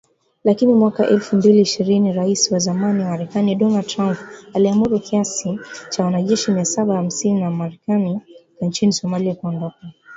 Lakini mwaka elfu mbili ishirini ,Rais wa zamani Marekani Donald Trump aliamuru kiasi cha wanajeshi mia saba hamsini wa Marekani nchini Somalia kuondoka